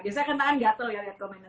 biasanya kan kanan gatel ya lihat komennya